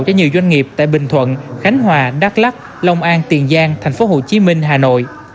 cho nhiều doanh nghiệp tại bình thuận khánh hòa đắk lắc lòng an tiền giang tp hcm hà nội